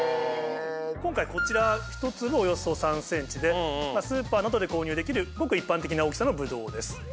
今回こちら１粒およそ３ｃｍでスーパーなどで購入できるごく一般的な大きさのブドウです。